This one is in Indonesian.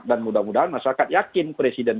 dan mudah mudahan masyarakat yakin presiden